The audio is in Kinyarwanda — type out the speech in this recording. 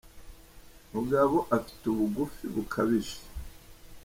Mugabo afite ubugufi bukabije.